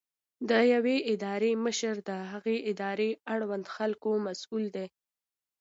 د یوې ادارې مشر د هغې ادارې اړوند خلکو مسؤل دی.